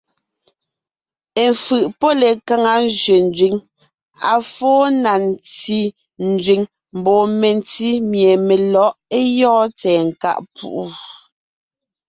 Efʉ̀ʼ pɔ́ lekaŋa zẅénzẅíŋ, à fó na ntí nzẅíŋ mbɔɔ mentí mie melɔ̌ʼ é gyɔ́ɔn tsɛ̀ɛ nkáʼ púʼu.